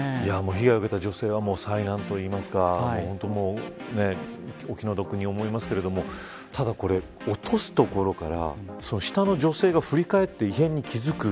被害を受けた女性は災難といいますかお気の毒に思いますけれどもただ、これを落とすところから下の女性が振り返って異変に気付く。